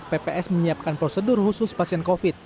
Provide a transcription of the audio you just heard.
pps menyiapkan prosedur khusus pasien covid